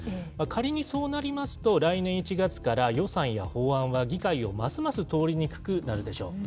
仮にそうなりますと、来年１月から予算や法案は議会をますます通りにくくなるでしょう。